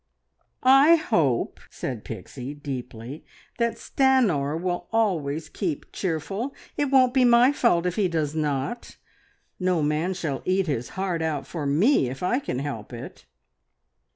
"I hope," said Pixie deeply, "that Stanor will always keep cheerful. It won't be my fault if he does not. No man shall `eat his heart out' for me if I can help it!"